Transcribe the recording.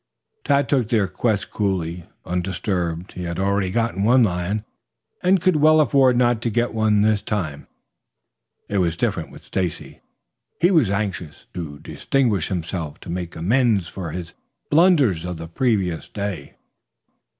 Tad took their quest coolly, undisturbed. He had already gotten one lion and could well afford not to get one this time. It was different with Stacy. He was anxious to distinguish himself, to make amends for his blunders of the previous day.